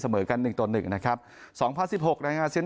เสมอกันหนึ่งต่อหนึ่งนะครับสองพันสิบหกในอาเซียน